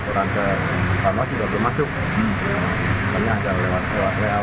kericuhan pun terjadi sampai sampai rapat pleno rekapitulasi suara di cikarang ini harus dihentikan sementara